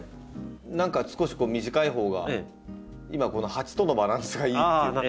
何か少し短いほうが今この鉢とのバランスがいいっていう。